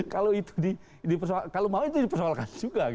kalau mau itu dipersoalkan juga